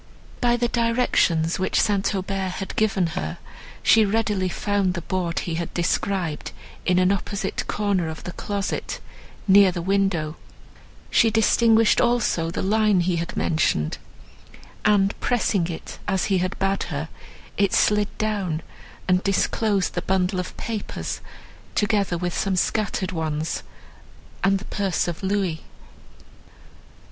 By the directions which St. Aubert had given her, she readily found the board he had described in an opposite corner of the closet, near the window; she distinguished also the line he had mentioned, and, pressing it as he had bade her, it slid down, and disclosed the bundle of papers, together with some scattered ones, and the purse of louis.